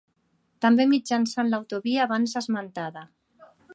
També mitjançant l'autovia abans esmentada.